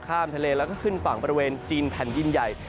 ข้ามทะเลแล้วก็ขึ้นฝั่งบริเวณจีนแผ่นดินใหญ่